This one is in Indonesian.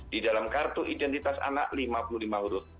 di dalam kartu identitas anak lima puluh lima huruf